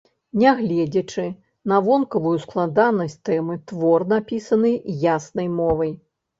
Нягледзячы на вонкавую складанасць тэмы, твор напісаны яснай мовай.